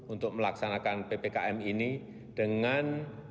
untuk melaksanakan pemerintahan yang berkualitas dan berkualitas yang berkualitas